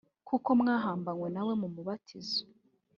Kuko mwahambanywe na we mu mubatizo